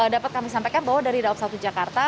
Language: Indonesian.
dapat kami sampaikan bahwa dari daob satu jakarta